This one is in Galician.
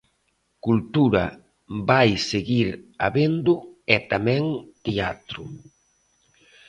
Cultura vai seguir habendo e tamén teatro.